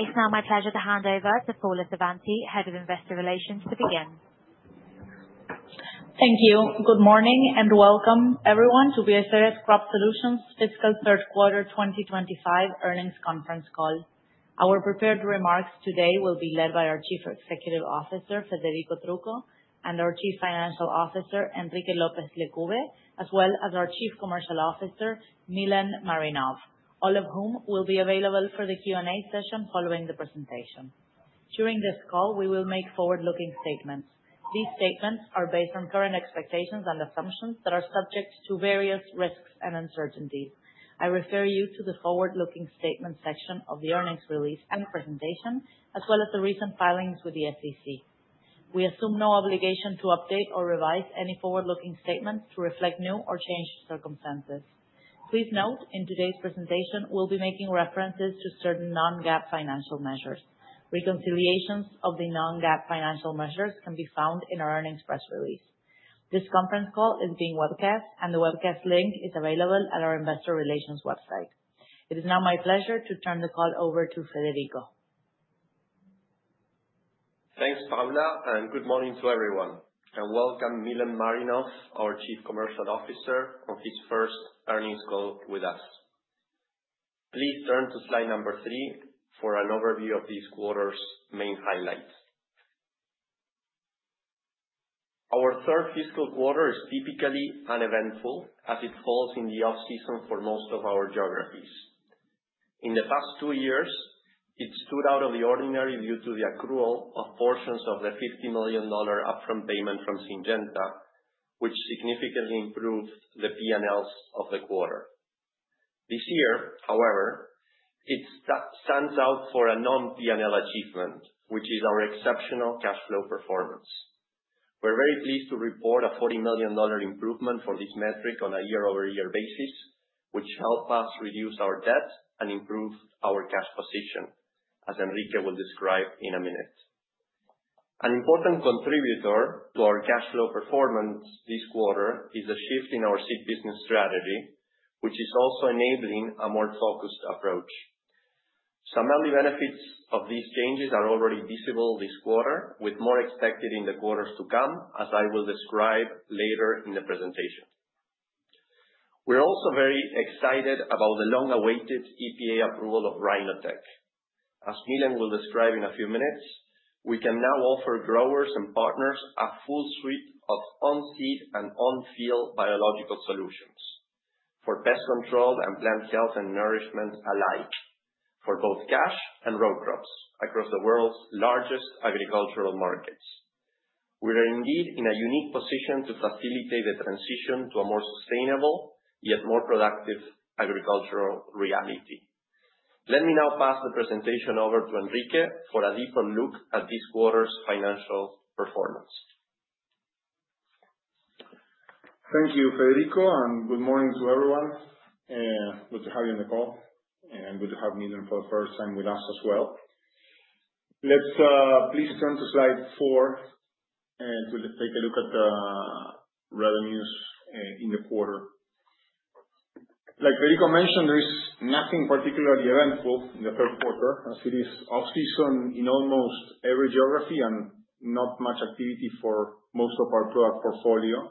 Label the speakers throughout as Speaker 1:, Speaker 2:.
Speaker 1: It's now my pleasure to hand over to Paula Savanti, Head of Investor Relations, to begin.
Speaker 2: Thank you. Good morning and welcome, everyone, to Bioceres Crop Solutions' fiscal third quarter 2025 earnings conference call. Our prepared remarks today will be led by our Chief Executive Officer, Federico Trucco, and our Chief Financial Officer, Enrique López Lecube, as well as our Chief Commercial Officer, Milen Marinov, all of whom will be available for the Q&A session following the presentation. During this call, we will make forward-looking statements. These statements are based on current expectations and assumptions that are subject to various risks and uncertainties. I refer you to the forward-looking statements section of the earnings release and presentation, as well as the recent filings with the SEC. We assume no obligation to update or revise any forward-looking statements to reflect new or changed circumstances. Please note, in today's presentation, we'll be making references to certain non-GAAP financial measures. Reconciliations of the non-GAAP financial measures can be found in our earnings press release. This conference call is being webcast, and the webcast link is available at our Investor Relations website. It is now my pleasure to turn the call over to Federico.
Speaker 3: Thanks, Paula, and good morning to everyone. Welcome Milen Marinov, our Chief Commercial Officer, on his first earnings call with us. Please turn to slide number three for an overview of this quarter's main highlights. Our third fiscal quarter is typically uneventful, as it falls in the off-season for most of our geographies. In the past two years, it stood out of the ordinary due to the accrual of portions of the $50 million upfront payment from Syngenta, which significantly improved the P&Ls of the quarter. This year, however, it stands out for a non-P&L achievement, which is our exceptional cash flow performance. We're very pleased to report a $40 million improvement for this metric on a year-over-year basis, which helps us reduce our debt and improve our cash position, as Enrique will describe in a minute. An important contributor to our cash flow performance this quarter is a shift in our seed business strategy, which is also enabling a more focused approach. Some early benefits of these changes are already visible this quarter, with more expected in the quarters to come, as I will describe later in the presentation. We're also very excited about the long-awaited EPA approval of RinoTec. As Milen will describe in a few minutes, we can now offer growers and partners a full suite of on-seed and on-field biological solutions for pest control and plant health and nourishment alike for both cash and row crops across the world's largest agricultural markets. We are indeed in a unique position to facilitate the transition to a more sustainable, yet more productive agricultural reality. Let me now pass the presentation over to Enrique for a deeper look at this quarter's financial performance.
Speaker 4: Thank you, Federico, and good morning to everyone. Good to have you on the call, and good to have Milen for the first time with us as well. Let's please turn to slide four to take a look at the revenues in the quarter. Like Federico mentioned, there is nothing particularly eventful in the third quarter, as it is off-season in almost every geography and not much activity for most of our product portfolio.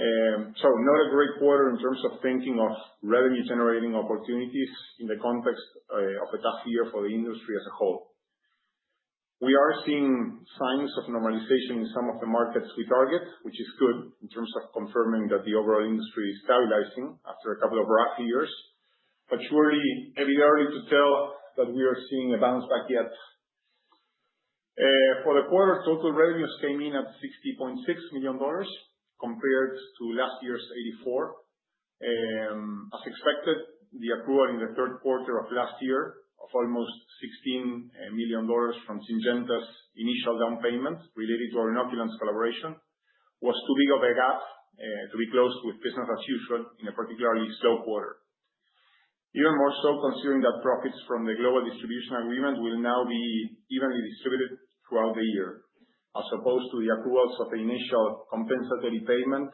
Speaker 4: Not a great quarter in terms of thinking of revenue-generating opportunities in the context of a tough year for the industry as a whole. We are seeing signs of normalization in some of the markets we target, which is good in terms of confirming that the overall industry is stabilizing after a couple of rough years, but surely it'll be early to tell that we are seeing a bounce back yet. For the quarter, total revenues came in at $60.6 million compared to last year's $84 million. As expected, the accrual in the third quarter of last year of almost $16 million from Syngenta's initial down payment related to our inoculants collaboration was too big of a gap to be closed with business as usual in a particularly slow quarter. Even more so considering that profits from the global distribution agreement will now be evenly distributed throughout the year, as opposed to the accruals of the initial compensatory payment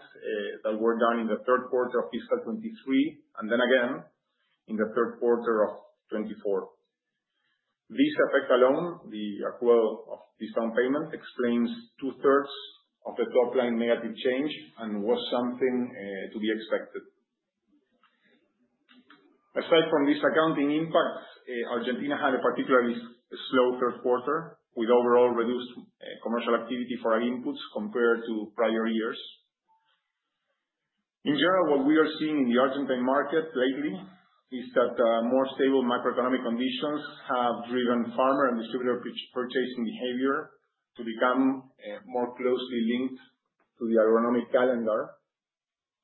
Speaker 4: that were done in the third quarter of fiscal 2023 and then again in the third quarter of 2024. This effect alone, the accrual of this down payment, explains 2/3 of the top-line negative change and was something to be expected. Aside from these accounting impacts, Argentina had a particularly slow third quarter with overall reduced commercial activity for our inputs compared to prior years. In general, what we are seeing in the Argentine market lately is that more stable macroeconomic conditions have driven farmer and distributor purchasing behavior to become more closely linked to the agronomic calendar,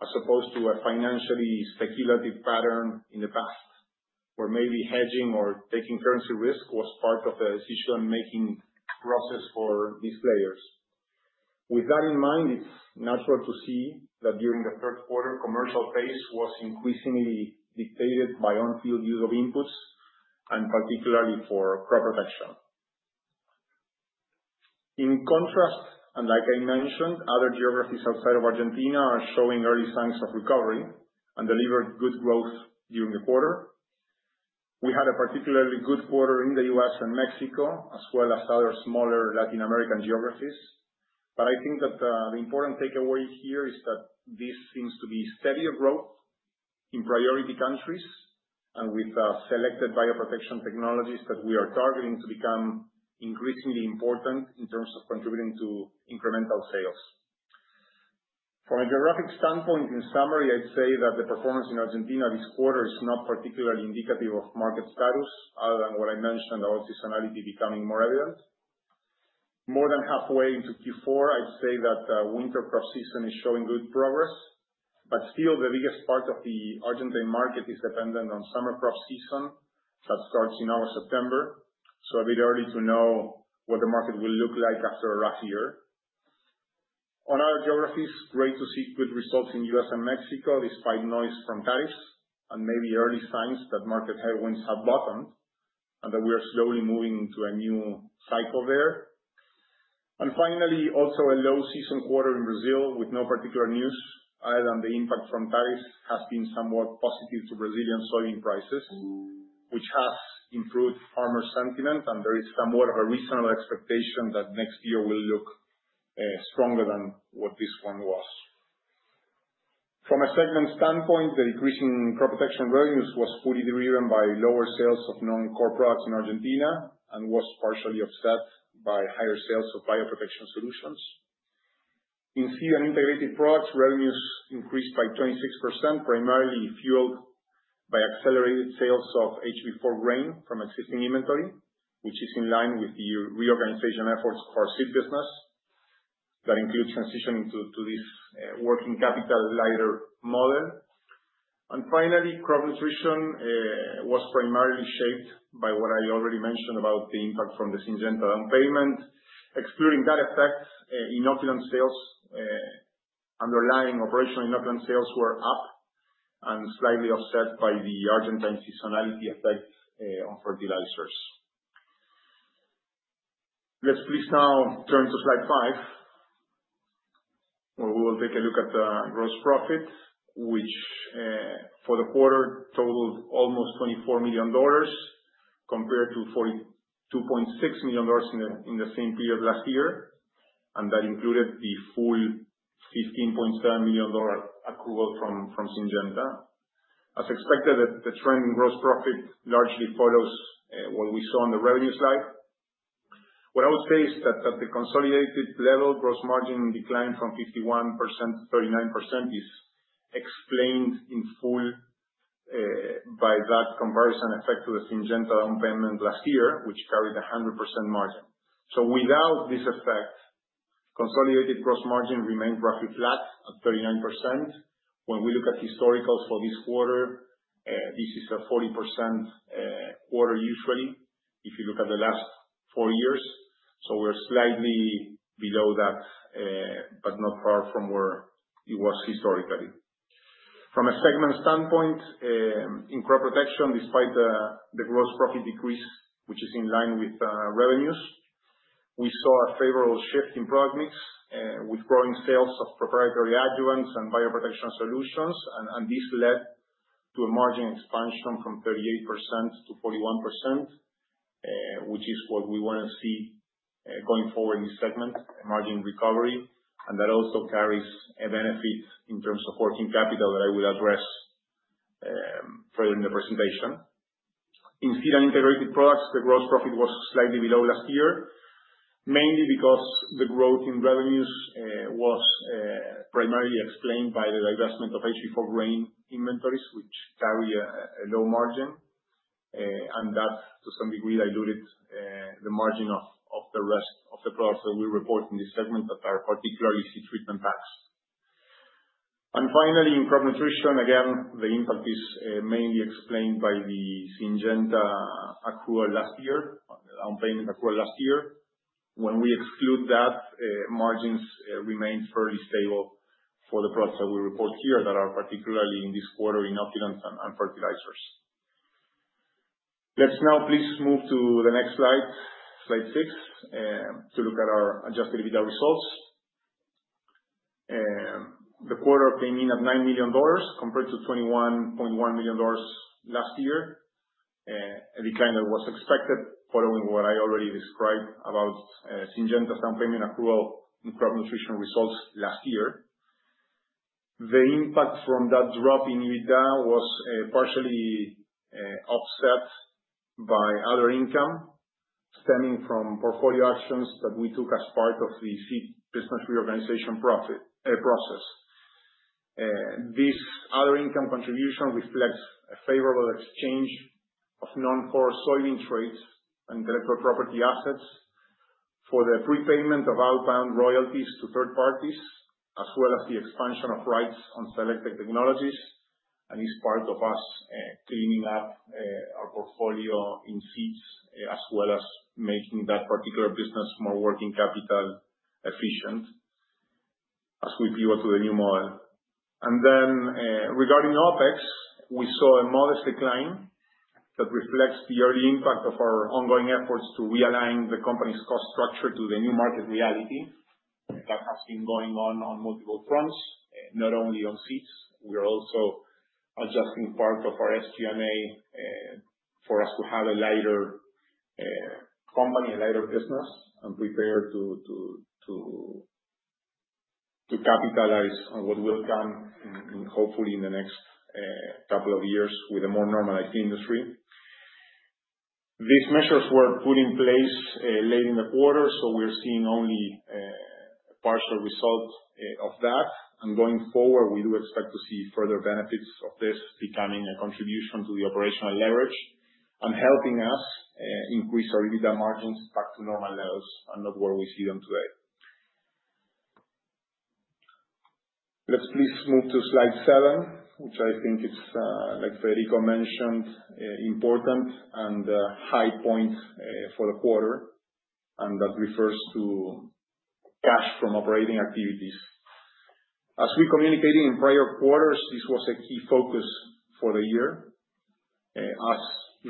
Speaker 4: as opposed to a financially speculative pattern in the past, where maybe hedging or taking currency risk was part of the decision-making process for these players. With that in mind, it is natural to see that during the third quarter, commercial pace was increasingly dictated by on-field use of inputs, and particularly for crop protection. In contrast, and like I mentioned, other geographies outside of Argentina are showing early signs of recovery and delivered good growth during the quarter. We had a particularly good quarter in the U.S. and Mexico, as well as other smaller Latin American geographies. I think that the important takeaway here is that this seems to be steadier growth in priority countries and with selected bioprotection technologies that we are targeting to become increasingly important in terms of contributing to incremental sales. From a geographic standpoint, in summary, I'd say that the performance in Argentina this quarter is not particularly indicative of market status other than what I mentioned, the auto seasonality becoming more evident. More than halfway into Q4, I'd say that winter crop season is showing good progress, but still the biggest part of the Argentine market is dependent on summer crop season that starts in our September, so a bit early to know what the market will look like after a rough year. On other geographies, great to see good results in the U.S. and Mexico despite noise from Paris, and maybe early signs that market headwinds have bottomed and that we are slowly moving into a new cycle there. Finally, also a low-season quarter in Brazil with no particular news other than the impact from Paris has been somewhat positive to Brazilian soybean prices, which has improved farmer sentiment, and there is somewhat of a reasonable expectation that next year will look stronger than what this one was. From a segment standpoint, the decrease in crop protection revenues was fully driven by lower sales of non-core products in Argentina and was partially offset by higher sales of bioprotection solutions. In seed and integrated products, revenues increased by 26%, primarily fueled by accelerated sales of HB4 grain from existing inventory, which is in line with the reorganization efforts for seed business that include transitioning to this working capital lighter model. Finally, crop nutrition was primarily shaped by what I already mentioned about the impact from the Syngenta down payment. Excluding that effect, inoculant sales underlying operational inoculant sales were up and slightly offset by the Argentine seasonality effect on fertilizers. Let's please now turn to slide five, where we will take a look at the gross profit, which for the quarter totaled almost $24 million compared to $42.6 million in the same period last year, and that included the full $15.7 million accrual from Syngenta. As expected, the trend in gross profit largely follows what we saw on the revenue slide. What I would say is that the consolidated level gross margin decline from 51% to 39% is explained in full by that comparison effect to the Syngenta down payment last year, which carried a 100% margin. Without this effect, consolidated gross margin remained roughly flat at 39%. When we look at historicals for this quarter, this is a 40% quarter usually if you look at the last four years. We are slightly below that, but not far from where it was historically. From a segment standpoint, in crop protection, despite the gross profit decrease, which is in line with revenues, we saw a favorable shift in product mix with growing sales of proprietary adjuvants and bioprotection solutions, and this led to a margin expansion from 38% to 41%, which is what we want to see going forward in this segment, a margin recovery, and that also carries a benefit in terms of working capital that I will address further in the presentation. In seed and integrated products, the gross profit was slightly below last year, mainly because the growth in revenues was primarily explained by the divestment of HB4 grain inventories, which carry a low margin, and that to some degree diluted the margin of the rest of the products that we report in this segment that are particularly seed treatment packs. Finally, in crop nutrition, again, the impact is mainly explained by the Syngenta accrual last year, down payment accrual last year. When we exclude that, margins remained fairly stable for the products that we report here that are particularly in this quarter inoculants and fertilizers. Please move to the next slide, slide six, to look at our adjusted EBITDA results. The quarter came in at $9 million compared to $21.1 million last year, a decline that was expected following what I already described about Syngenta's down payment accrual in crop nutrition results last year. The impact from that drop in EBITDA was partially offset by other income stemming from portfolio actions that we took as part of the seed business reorganization process. This other income contribution reflects a favorable exchange of non-core soybean traits and intellectual property assets for the prepayment of outbound royalties to third parties, as well as the expansion of rights on selected technologies, and is part of us cleaning up our portfolio in seeds as well as making that particular business more working capital efficient as we pivot to the new model. Regarding OpEx, we saw a modest decline that reflects the early impact of our ongoing efforts to realign the company's cost structure to the new market reality that has been going on on multiple fronts, not only on seeds. We are also adjusting part of our SG&A for us to have a lighter company, a lighter business, and prepare to capitalize on what will come hopefully in the next couple of years with a more normalized industry. These measures were put in place late in the quarter, so we're seeing only a partial result of that. Going forward, we do expect to see further benefits of this becoming a contribution to the operational leverage and helping us increase our EBITDA margins back to normal levels and not where we see them today. Let's please move to slide seven, which I think is, like Federico mentioned, important and a high point for the quarter, and that refers to cash from operating activities. As we communicated in prior quarters, this was a key focus for the year as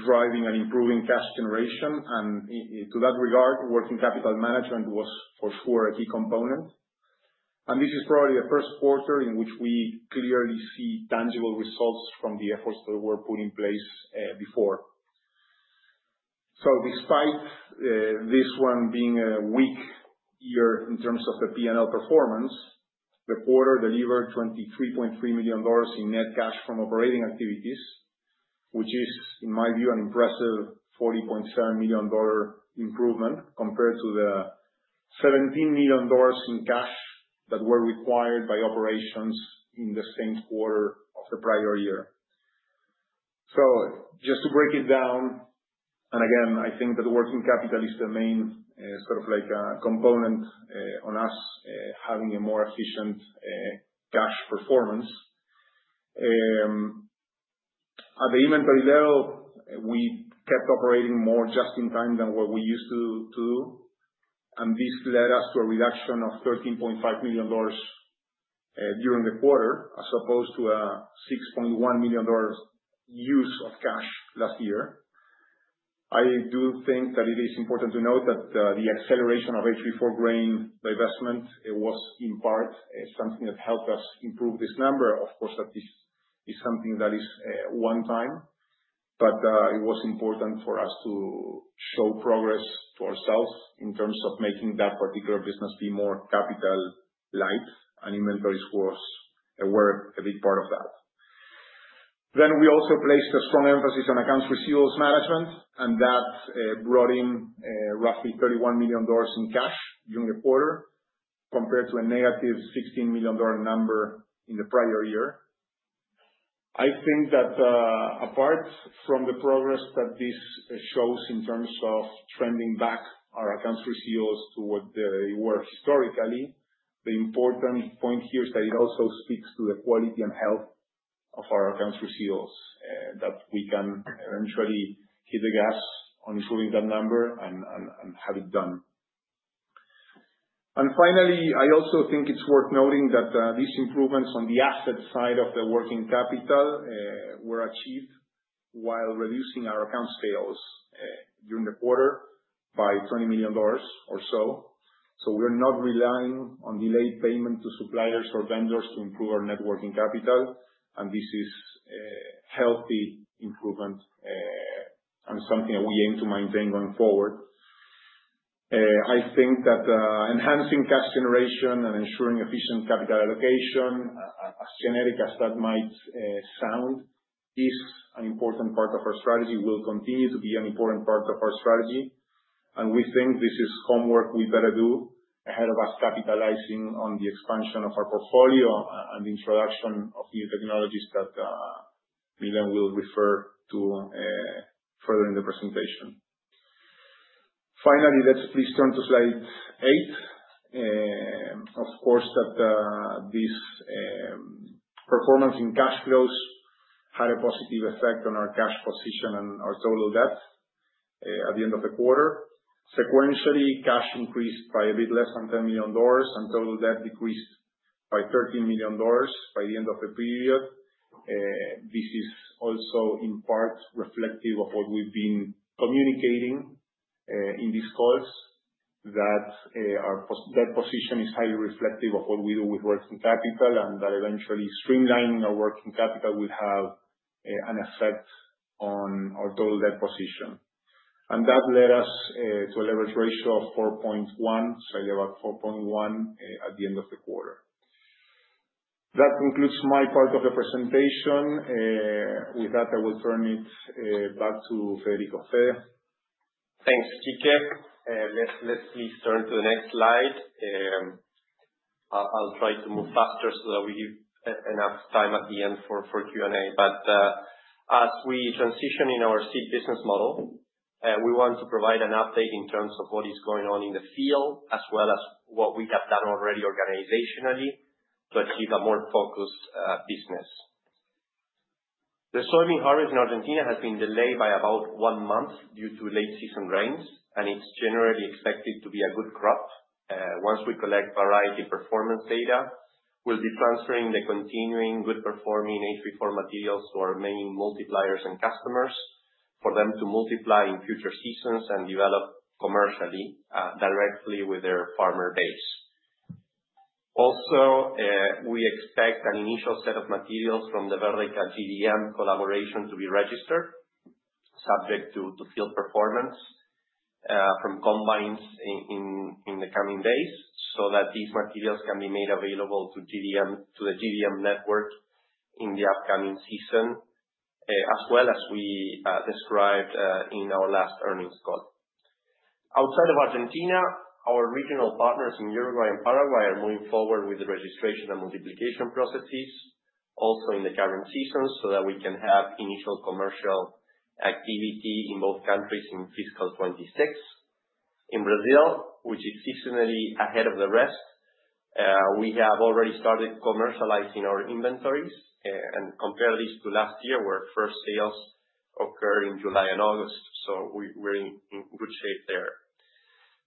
Speaker 4: driving and improving cash generation, and to that regard, working capital management was for sure a key component. This is probably the first quarter in which we clearly see tangible results from the efforts that were put in place before. Despite this one being a weak year in terms of the P&L performance, the quarter delivered $23.3 million in net cash from operating activities, which is, in my view, an impressive $40.7 million improvement compared to the $17 million in cash that were required by operations in the same quarter of the prior year. Just to break it down, and again, I think that working capital is the main sort of like component on us having a more efficient cash performance. At the inventory level, we kept operating more just in time than what we used to do, and this led us to a reduction of $13.5 million during the quarter as opposed to a $6.1 million use of cash last year. I do think that it is important to note that the acceleration of HB4 grain divestment was in part something that helped us improve this number. Of course, that is something that is one time, but it was important for us to show progress to ourselves in terms of making that particular business be more capital light, and inventories were a big part of that. We also placed a strong emphasis on accounts receivables management, and that brought in roughly $31 million in cash during the quarter compared to a negative $16 million number in the prior year. I think that apart from the progress that this shows in terms of trending back our accounts receivables to what they were historically, the important point here is that it also speaks to the quality and health of our accounts receivables that we can eventually hit the gas on improving that number and have it done. Finally, I also think it's worth noting that these improvements on the asset side of the working capital were achieved while reducing our accounts payables during the quarter by $20 million or so. We're not relying on delayed payment to suppliers or vendors to improve our net working capital, and this is a healthy improvement and something that we aim to maintain going forward. I think that enhancing cash generation and ensuring efficient capital allocation, as generic as that might sound, is an important part of our strategy, will continue to be an important part of our strategy, and we think this is homework we better do ahead of us capitalizing on the expansion of our portfolio and the introduction of new technologies that Milen will refer to further in the presentation. Finally, let's please turn to slide eight. Of course, this performance in cash flows had a positive effect on our cash position and our total debt at the end of the quarter. Sequentially, cash increased by a bit less than $10 million and total debt decreased by $13 million by the end of the period. This is also in part reflective of what we've been communicating in these calls, that our debt position is highly reflective of what we do with working capital and that eventually streamlining our working capital will have an effect on our total debt position. That led us to a leverage ratio of 4.1, slightly above 4.1 at the end of the quarter. That concludes my part of the presentation. With that, I will turn it back to Federico Trucco.
Speaker 3: Thanks, Enrique. Let's please turn to the next slide. I'll try to move faster so that we give enough time at the end for Q&A. As we transition in our seed business model, we want to provide an update in terms of what is going on in the field as well as what we have done already organizationally to achieve a more focused business. The soybean harvest in Argentina has been delayed by about one month due to late-season rains, and it's generally expected to be a good crop. Once we collect variety performance data, we'll be transferring the continuing good-performing HB4 materials to our main multipliers and customers for them to multiply in future seasons and develop commercially directly with their farmer base. Also, we expect an initial set of materials from the Verdeca GDM collaboration to be registered, subject to field performance from combines in the coming days so that these materials can be made available to the GDM network in the upcoming season, as well as we described in our last earnings call. Outside of Argentina, our regional partners in Uruguay and Paraguay are moving forward with the registration and multiplication processes also in the current season so that we can have initial commercial activity in both countries in fiscal 2026. In Brazil, which is seasonally ahead of the rest, we have already started commercializing our inventories and compare this to last year where first sales occurred in July and August, so we're in good shape there.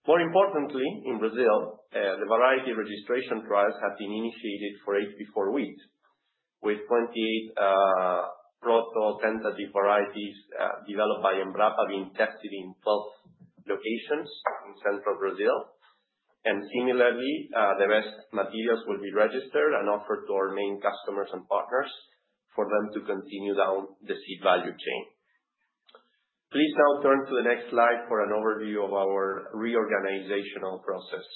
Speaker 3: More importantly, in Brazil, the variety registration trials have been initiated for HB4 wheat with 28 proto-tentative varieties developed by EMBRAPA being tested in 12 locations in central Brazil. Similarly, the best materials will be registered and offered to our main customers and partners for them to continue down the seed value chain. Please now turn to the next slide for an overview of our reorganizational process.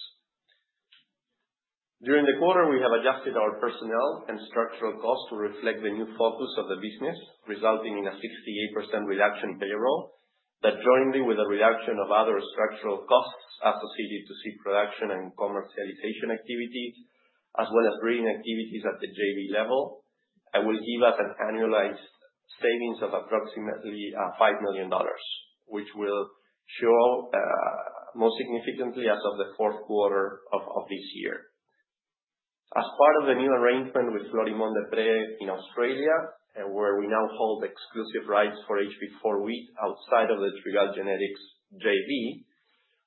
Speaker 3: During the quarter, we have adjusted our personnel and structural costs to reflect the new focus of the business, resulting in a 68% reduction in payroll that, jointly with the reduction of other structural costs associated to seed production and commercialization activities, as well as breeding activities at the JV level, will give us an annualized savings of approximately $5 million, which will show most significantly as of the fourth quarter of this year. As part of the new arrangement with Florimond Desprez in Australia, where we now hold exclusive rights for HB4 wheat outside of the Trigall Genetics JV,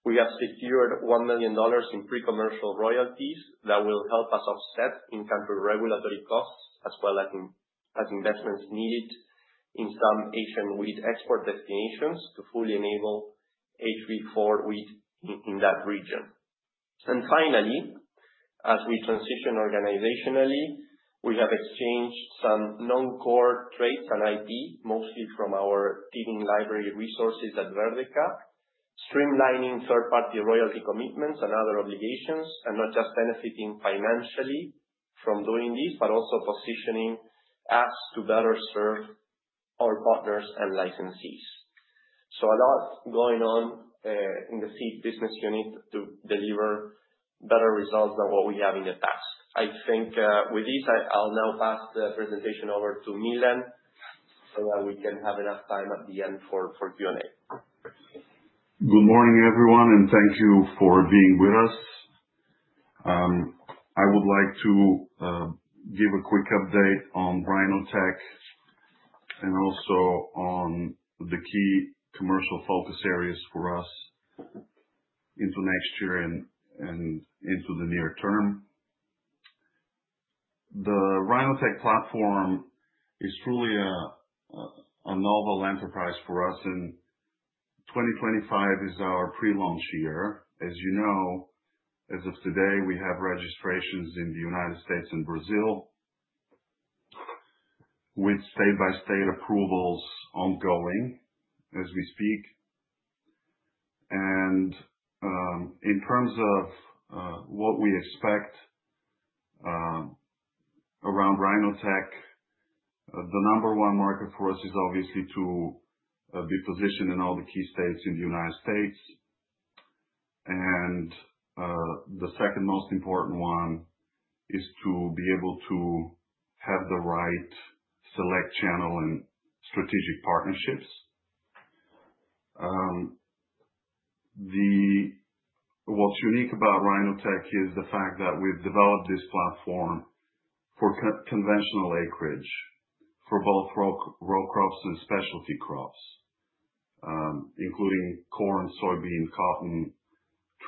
Speaker 3: we have secured $1 million in pre-commercial royalties that will help us offset in-country regulatory costs as well as investments needed in some Asian wheat export destinations to fully enable HB4 wheat in that region. Finally, as we transition organizationally, we have exchanged some non-core traits and IP, mostly from our teaching library resources at Verdeca, streamlining third-party royalty commitments and other obligations, and not just benefiting financially from doing this, but also positioning us to better serve our partners and licensees. A lot going on in the seed business unit to deliver better results than what we have in the past. I think with this, I'll now pass the presentation over to Milen so that we can have enough time at the end for Q&A.
Speaker 5: Good morning, everyone, and thank you for being with us. I would like to give a quick update on RhinoTech and also on the key commercial focus areas for us into next year and into the near term. The RinoTec platform is truly a novel enterprise for us, and 2025 is our pre-launch year. As you know, as of today, we have registrations in the U.S. and Brazil with state-by-state approvals ongoing as we speak. In terms of what we expect around RinoTec, the number one market for us is obviously to be positioned in all the key states in the U.S. The second most important one is to be able to have the right select channel and strategic partnerships. What's unique about RinoTec is the fact that we've developed this platform for conventional acreage for both row crops and specialty crops, including corn, soybean, cotton,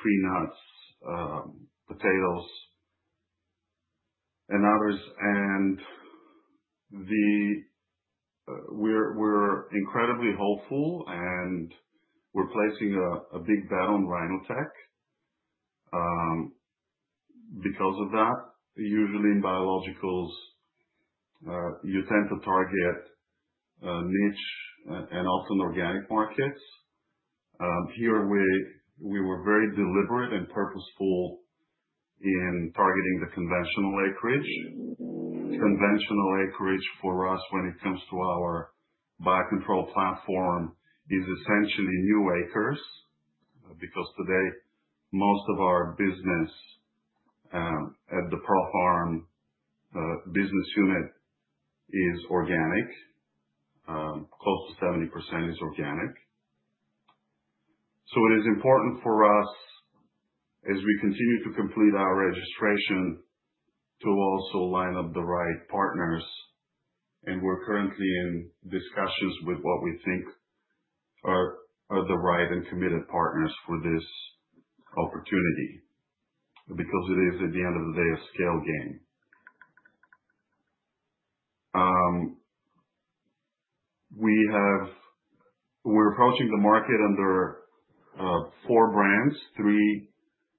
Speaker 5: tree nuts, potatoes, and others. We are incredibly hopeful, and we're placing a big bet on RinoTec because of that. Usually, in biologicals, you tend to target niche and often organic markets. Here, we were very deliberate and purposeful in targeting the conventional acreage. Conventional acreage for us, when it comes to our biocontrol platform, is essentially new acres because today, most of our business at the ProFarm business unit is organic. Close to 70% is organic. It is important for us, as we continue to complete our registration, to also line up the right partners. We are currently in discussions with what we think are the right and committed partners for this opportunity because it is, at the end of the day, a scale game. We are approaching the market under four brands, three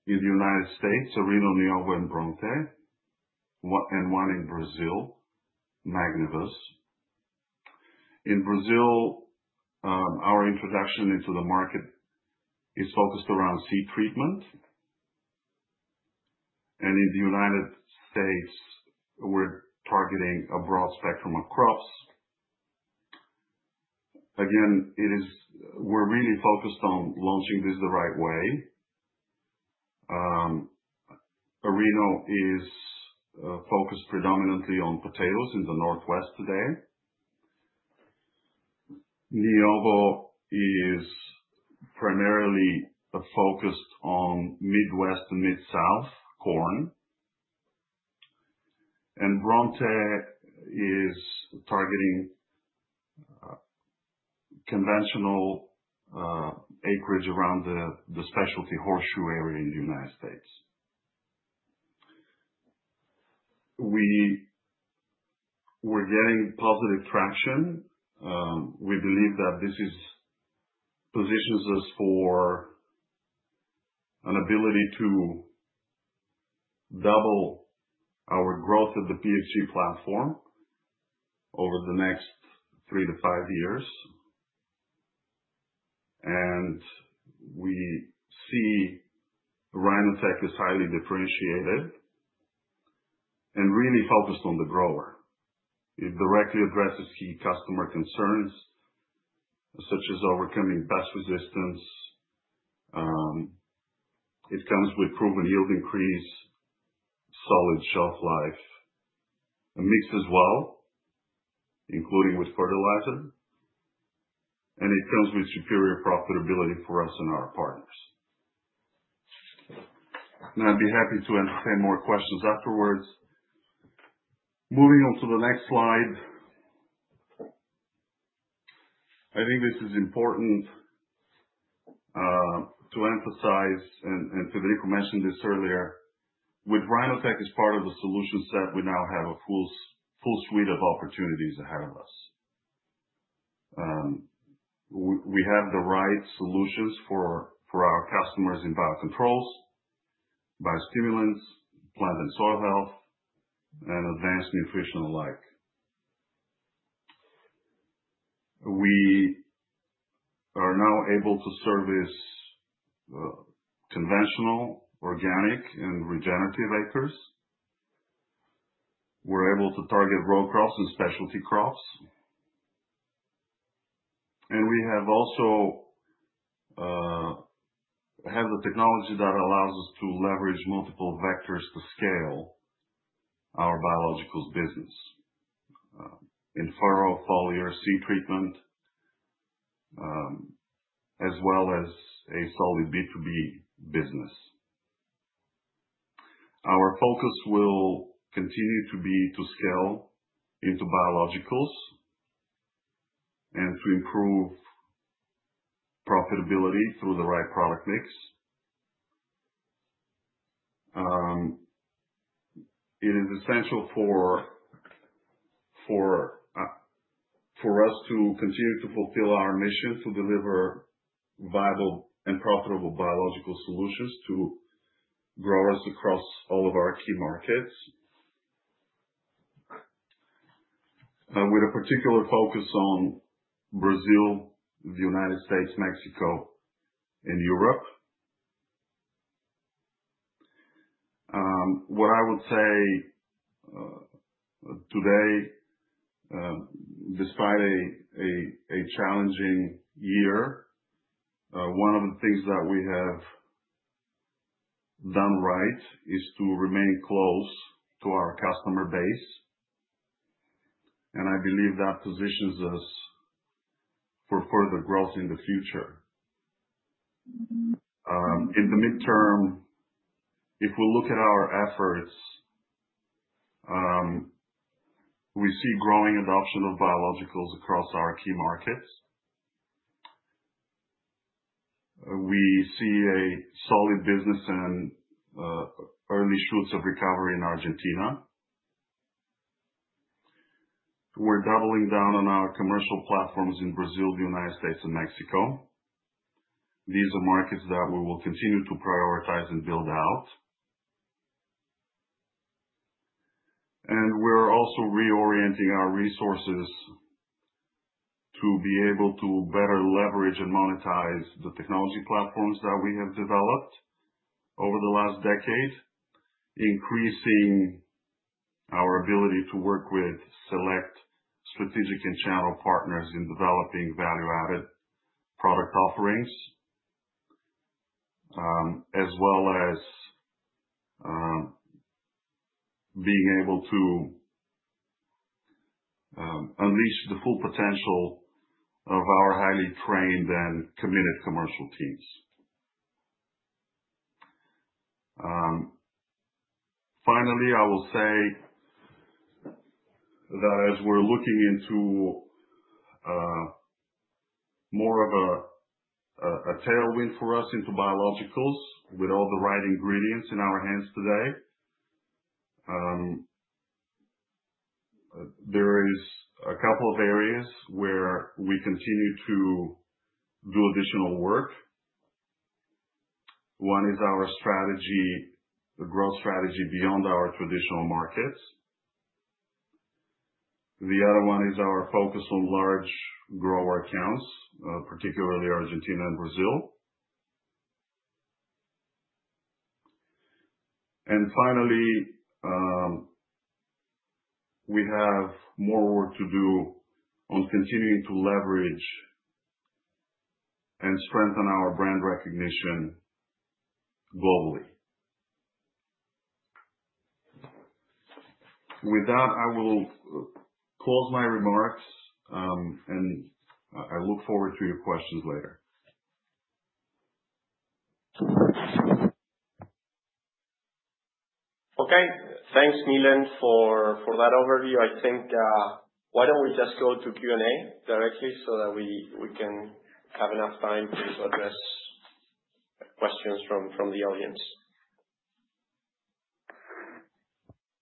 Speaker 5: in the U.S.: Sorino, Neova, and Bronte, and one in Brazil, Magnifus. In Brazil, our introduction into the market is focused around seed treatment. In the US, we are targeting a broad spectrum of crops. Again, we are really focused on launching this the right way. Sorino is focused predominantly on potatoes in the Northwest today. Neova is primarily focused on Midwest and Midsouth corn. Bronte is targeting conventional acreage around the specialty horseshoe area in the U.S. We are getting positive traction. We believe that this positions us for an ability to double our growth at the PHG platform over the next three to five years. We see RinoTec is highly differentiated and really focused on the grower. It directly addresses key customer concerns such as overcoming pest resistance. It comes with proven yield increase, solid shelf life, and mixes well, including with fertilizer. It comes with superior profitability for us and our partners. I'd be happy to entertain more questions afterwards. Moving on to the next slide, I think this is important to emphasize and the people mentioned this earlier. With RinoTec as part of the solution set, we now have a full suite of opportunities ahead of us. We have the right solutions for our customers in biocontrols, biostimulants, plant and soil health, and advanced nutrition alike. We are now able to service conventional, organic, and regenerative acres. We're able to target row crops and specialty crops. We also have the technology that allows us to leverage multiple vectors to scale our biologicals business in furrow, foliar, seed treatment, as well as a solid B2B business. Our focus will continue to be to scale into biologicals and to improve profitability through the right product mix. It is essential for us to continue to fulfill our mission to deliver viable and profitable biological solutions to growers across all of our key markets, with a particular focus on Brazil, the U.S, Mexico, and Europe. What I would say today, despite a challenging year, one of the things that we have done right is to remain close to our customer base. I believe that positions us for further growth in the future. In the midterm, if we look at our efforts, we see growing adoption of biologicals across our key markets. We see a solid business and early shoots of recovery in Argentina. We are doubling down on our commercial platforms in Brazil, the U.S., and Mexico. These are markets that we will continue to prioritize and build out. We are also reorienting our resources to be able to better leverage and monetize the technology platforms that we have developed over the last decade, increasing our ability to work with select strategic and channel partners in developing value-added product offerings, as well as being able to unleash the full potential of our highly trained and committed commercial teams. Finally, I will say that as we are looking into more of a tailwind for us into biologicals with all the right ingredients in our hands today, there is a couple of areas where we continue to do additional work. One is our strategy, the growth strategy beyond our traditional markets. The other one is our focus on large grower accounts, particularly Argentina and Brazil. Finally, we have more work to do on continuing to leverage and strengthen our brand recognition globally. With that, I will close my remarks, and I look forward to your questions later.
Speaker 3: Okay. Thanks, Milen, for that overview. I think why don't we just go to Q&A directly so that we can have enough time to address questions from the audience?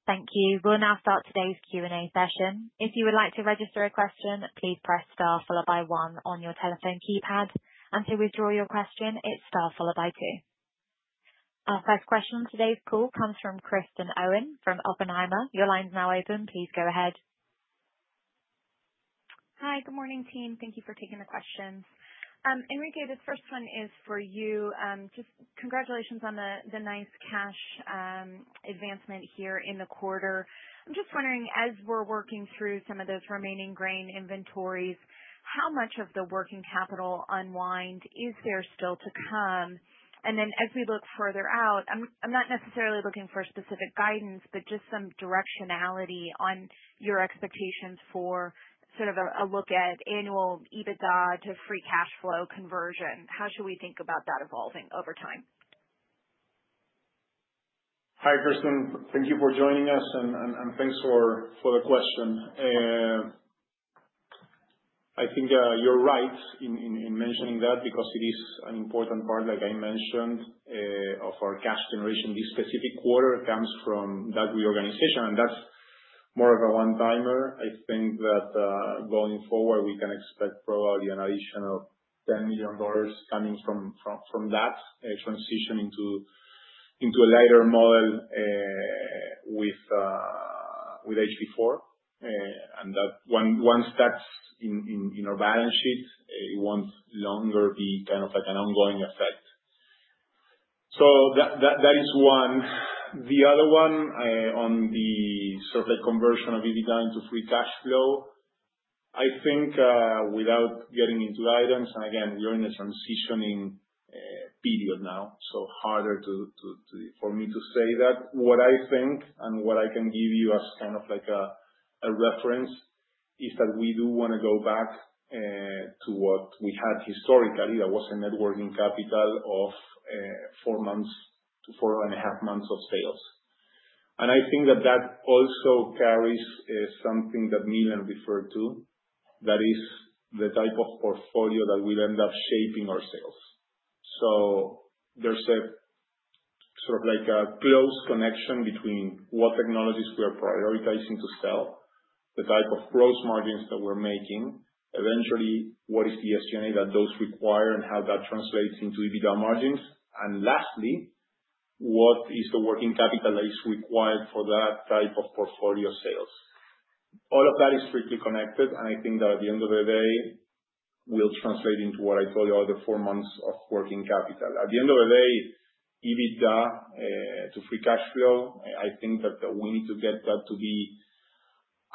Speaker 1: Thank you. We'll now start today's Q&A session. If you would like to register a question, please press star followed by one on your telephone keypad. To withdraw your question, it's star followed by two. Our first question on today's call comes from Kristen Owen from Oppenheimer. Your line's now open. Please go ahead.
Speaker 6: Hi, good morning, team. Thank you for taking the questions. Enrique, this first one is for you. Just congratulations on the nice cash advancement here in the quarter. I'm just wondering, as we're working through some of those remaining grain inventories, how much of the working capital unwind is there still to come? As we look further out, I'm not necessarily looking for specific guidance, but just some directionality on your expectations for sort of a look at annual EBITDA to free cash flow conversion. How should we think about that evolving over time?
Speaker 4: Hi, Kristen. Thank you for joining us, and thanks for the question. I think you're right in mentioning that because it is an important part, like I mentioned, of our cash generation. This specific quarter comes from that reorganization, and that's more of a one-timer. I think that going forward, we can expect probably an additional $10 million coming from that transition into a lighter model with HB4. Once that's in our balance sheet, it won't longer be kind of an ongoing effect. That is one. The other one on the survey conversion of EBITDA into free cash flow, I think without getting into items, and again, we are in a transitioning period now, so harder for me to say that. What I think and what I can give you as kind of a reference is that we do want to go back to what we had historically. That was a working capital of four months to four and a half months of sales. I think that that also carries something that Milen referred to, that is the type of portfolio that will end up shaping our sales. There is sort of a close connection between what technologies we are prioritizing to sell, the type of gross margins that we're making, eventually what is the SG&A that those require, and how that translates into EBITDA margins. Lastly, what is the working capital that is required for that type of portfolio sales? All of that is strictly connected, and I think that at the end of the day, will translate into what I told you are the four months of working capital. At the end of the day, EBITDA to free cash flow, I think that we need to get that to be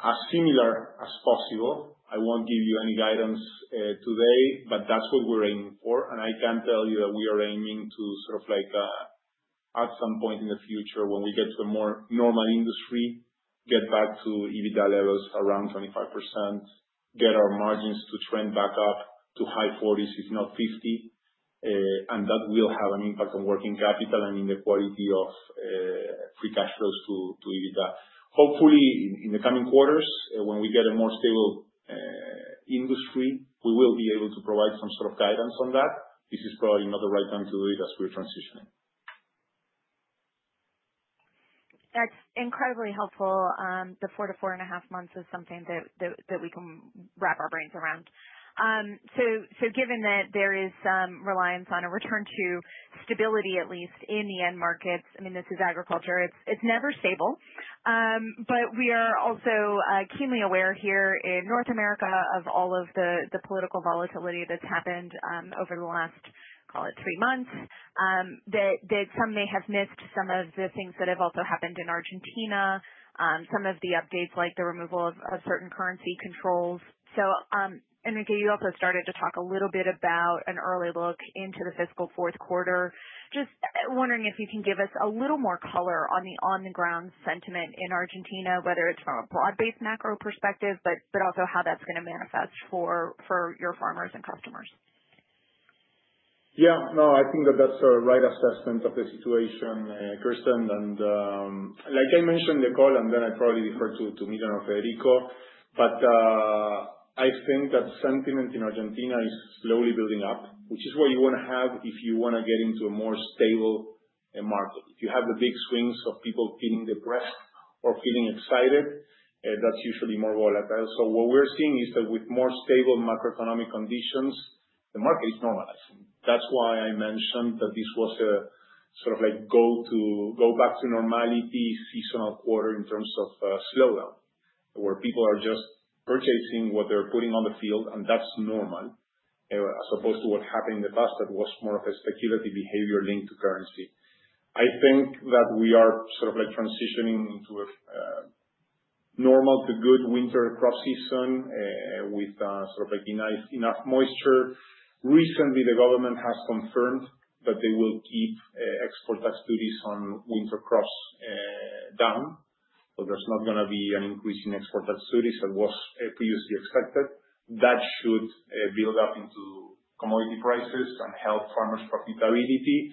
Speaker 4: as similar as possible. I won't give you any guidance today, but that's what we're aiming for. I can tell you that we are aiming to sort of at some point in the future, when we get to a more normal industry, get back to EBITDA levels around 25%, get our margins to trend back up to high 40s, if not 50%. That will have an impact on working capital and in the quality of free cash flows to EBITDA. Hopefully, in the coming quarters, when we get a more stable industry, we will be able to provide some sort of guidance on that. This is probably not the right time to do it as we're transitioning.
Speaker 6: That's incredibly helpful. The four to four and a half months is something that we can wrap our brains around. Given that there is some reliance on a return to stability, at least in the end markets, I mean, this is agriculture. It's never stable. We are also keenly aware here in North America of all of the political volatility that's happened over the last, call it, three months, that some may have missed some of the things that have also happened in Argentina, some of the updates like the removal of certain currency controls. Enrique, you also started to talk a little bit about an early look into the fiscal fourth quarter. Just wondering if you can give us a little more color on the on-the-ground sentiment in Argentina, whether it's from a broad-based macro perspective, but also how that's going to manifest for your farmers and customers.
Speaker 4: Yeah. No, I think that that's a right assessment of the situation, Kristen. And like I mentioned in the call, and then I probably refer to Milen or Federico, but I think that sentiment in Argentina is slowly building up, which is what you want to have if you want to get into a more stable market. If you have the big swings of people feeling depressed or feeling excited, that's usually more volatile. What we're seeing is that with more stable macroeconomic conditions, the market is normalizing. That's why I mentioned that this was a sort of go back to normality seasonal quarter in terms of slowdown, where people are just purchasing what they're putting on the field, and that's normal, as opposed to what happened in the past that was more of a speculative behavior linked to currency. I think that we are sort of transitioning into a normal to good winter crop season with sort of enough moisture. Recently, the government has confirmed that they will keep export tax duties on winter crops down, but there's not going to be an increase in export tax duties that was previously expected. That should build up into commodity prices and help farmers' profitability.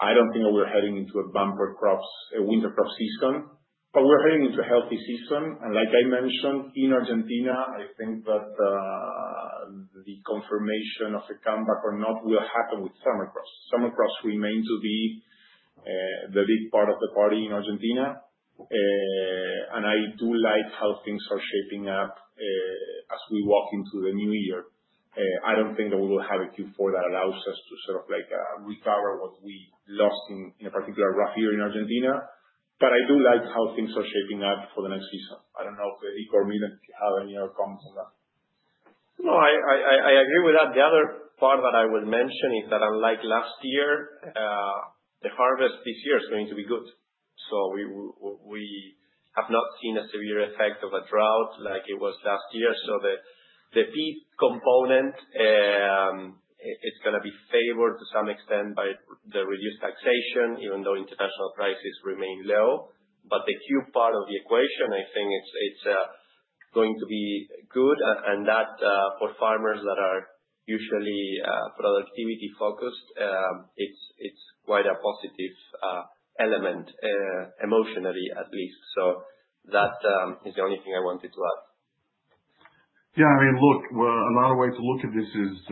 Speaker 4: I do not think that we're heading into a bumper winter crop season, but we're heading into a healthy season. Like I mentioned, in Argentina, I think that the confirmation of a comeback or not will happen with summer crops. Summer crops remain to be the big part of the party in Argentina. I do like how things are shaping up as we walk into the new year. I don't think that we will have a Q4 that allows us to sort of recover what we lost in a particularly rough year in Argentina. But I do like how things are shaping up for the next season. I don't know if Enrique or Milen have any other comments on that.
Speaker 3: No, I agree with that. The other part that I would mention is that unlike last year, the harvest this year is going to be good. We have not seen a severe effect of a drought like it was last year. The peak component, it's going to be favored to some extent by the reduced taxation, even though international prices remain low. The cube part of the equation, I think it's going to be good. That for farmers that are usually productivity-focused, it's quite a positive element, emotionally at least. That is the only thing I wanted to add.
Speaker 5: Yeah. I mean, look, another way to look at this is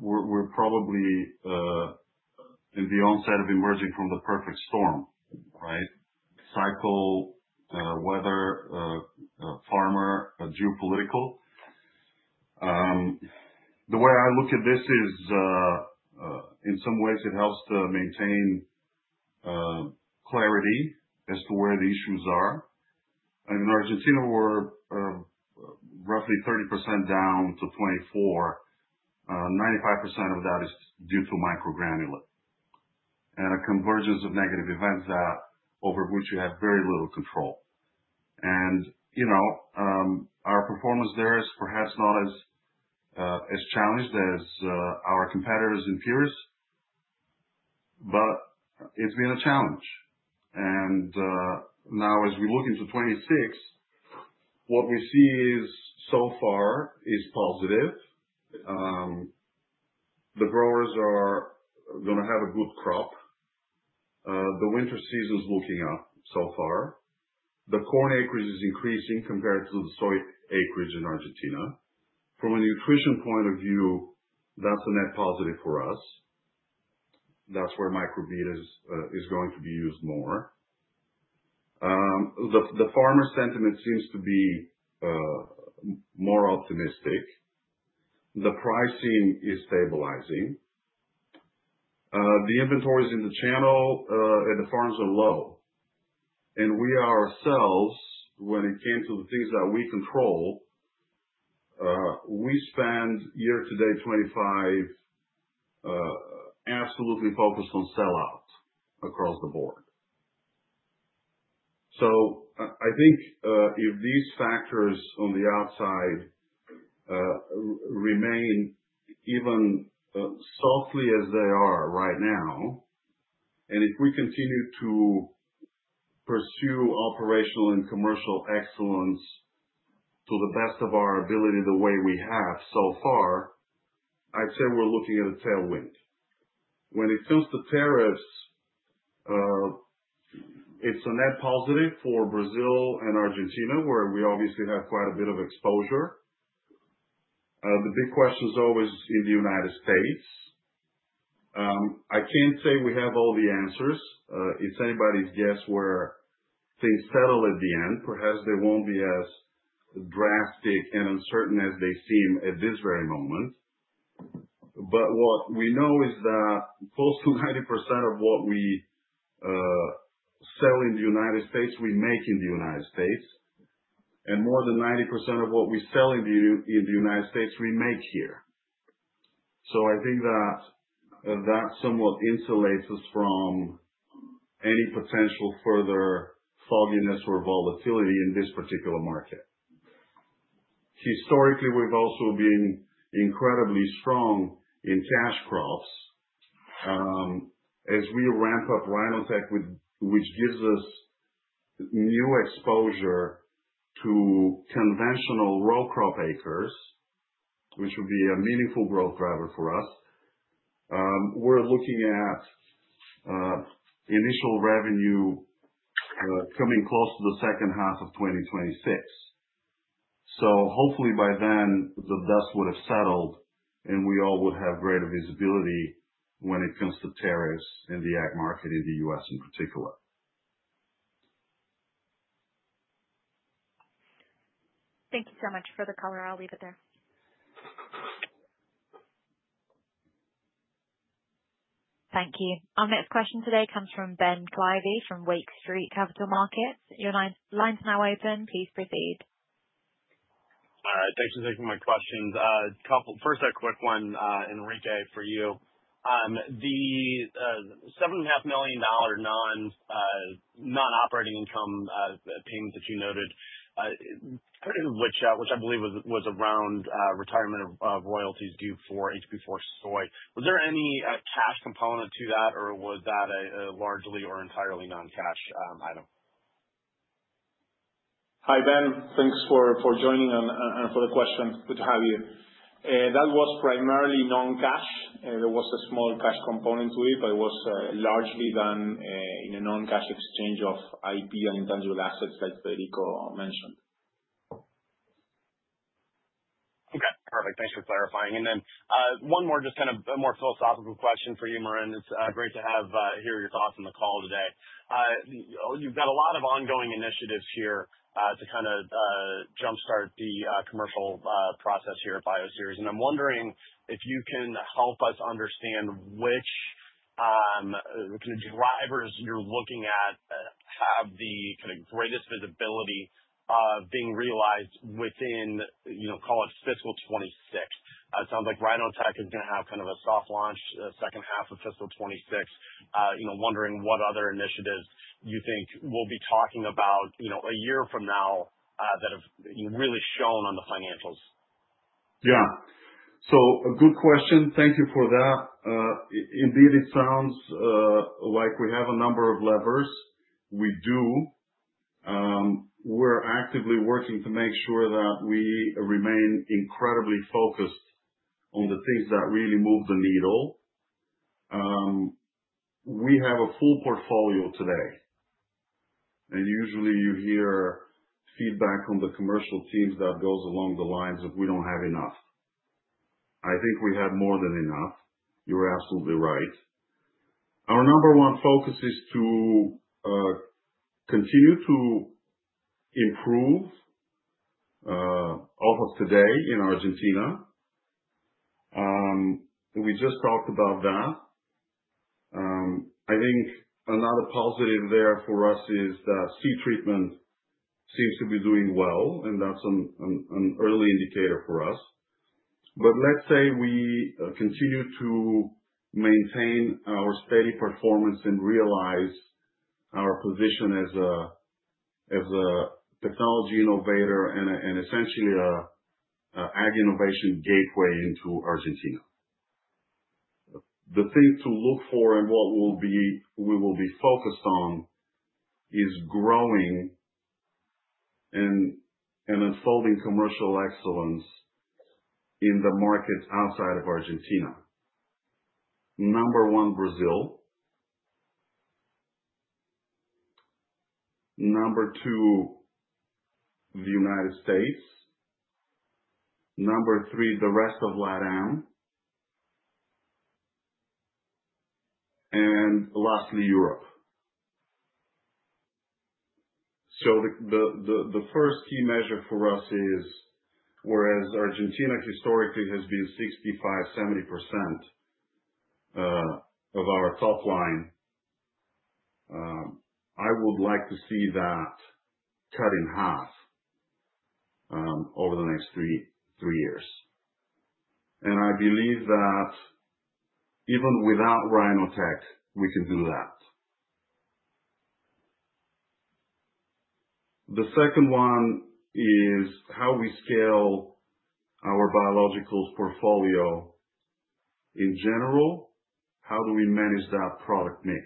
Speaker 5: we're probably in the onset of emerging from the perfect storm, right? Cycle, weather, farmer, geopolitical. The way I look at this is in some ways it helps to maintain clarity as to where the issues are. In Argentina, we're roughly 30% down to 24%. 95% of that is due to microgranular and a convergence of negative events over which you have very little control. Our performance there is perhaps not as challenged as our competitors and peers, but it's been a challenge. Now as we look into 2026, what we see so far is positive. The growers are going to have a good crop. The winter season's looking up so far. The corn acreage is increasing compared to the soy acreage in Argentina. From a nutrition point of view, that's a net positive for us. That's where microbeat is going to be used more. The farmer sentiment seems to be more optimistic. The pricing is stabilizing. The inventories in the channel at the farms are low. We ourselves, when it came to the things that we control, we spent year to date 2025 absolutely focused on sellout across the board. I think if these factors on the outside remain even softly as they are right now, and if we continue to pursue operational and commercial excellence to the best of our ability the way we have so far, I'd say we're looking at a tailwind. When it comes to tariffs, it's a net positive for Brazil and Argentina, where we obviously have quite a bit of exposure. The big question is always in the U.S. I can't say we have all the answers. It's anybody's guess where things settle at the end. Perhaps they won't be as drastic and uncertain as they seem at this very moment. What we know is that close to 90% of what we sell in the U.S., we make in the U.S. More than 90% of what we sell in the U.S., we make here. I think that that somewhat insulates us from any potential further fogginess or volatility in this particular market. Historically, we've also been incredibly strong in cash crops as we ramp up RinoTec, which gives us new exposure to conventional row crop acres, which would be a meaningful growth driver for us. We're looking at initial revenue coming close to the second half of 2026. Hopefully by then, the dust would have settled, and we all would have greater visibility when it comes to tariffs and the ag market in the U.S. in particular.
Speaker 6: Thank you so much for the cover. I'll leave it there.
Speaker 1: Thank you. Our next question today comes from Ben Klieve from Lake Street Capital Markets. Your line is now open. Please proceed.
Speaker 7: All right. Thanks for taking my questions. First, a quick one, Enrique, for you. The $7.5 million non-operating income payment that you noted, which I believe was around retirement of royalties due for HB4 soy, was there any cash component to that, or was that a largely or entirely non-cash item?
Speaker 4: Hi, Ben. Thanks for joining and for the question. Good to have you. That was primarily non-cash. There was a small cash component to it, but it was largely done in a non-cash exchange of IP and intangible assets, like Federico mentioned.
Speaker 7: Okay. Perfect. Thanks for clarifying. And then one more, just kind of a more philosophical question for you, Milen. It's great to hear your thoughts on the call today. You've got a lot of ongoing initiatives here to kind of jump-start the commercial process here at Bioceres. And I'm wondering if you can help us understand which kind of drivers you're looking at have the kind of greatest visibility of being realized within, call it, fiscal 2026. It sounds like RinoTec is going to have kind of a soft launch the second half of fiscal 2026. Wondering what other initiatives you think we'll be talking about a year from now that have really shown on the financials.
Speaker 5: Yeah. So a good question. Thank you for that. Indeed, it sounds like we have a number of levers. We do. We're actively working to make sure that we remain incredibly focused on the things that really move the needle. We have a full portfolio today. And usually, you hear feedback on the commercial teams that goes along the lines of, "We don't have enough." I think we have more than enough. You're absolutely right. Our number one focus is to continue to improve off of today in Argentina. We just talked about that. I think another positive there for us is that seed treatment seems to be doing well, and that's an early indicator for us. Let's say we continue to maintain our steady performance and realize our position as a technology innovator and essentially an ag innovation gateway into Argentina. The thing to look for and what we will be focused on is growing and unfolding commercial excellence in the markets outside of Argentina. Number one, Brazil. Number two, the United States. Number three, the rest of LatAm. Lastly, Europe. The first key measure for us is, whereas Argentina historically has been 65%-70% of our top line, I would like to see that cut in half over the next three years. I believe that even without RhinoTech, we can do that. The second one is how we scale our biologicals portfolio in general. How do we manage that product mix?